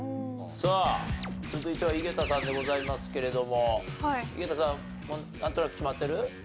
さあ続いては井桁さんでございますけれども井桁さんなんとなく決まってる？